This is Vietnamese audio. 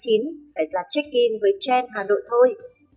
phải là check in với trend hà nội thôi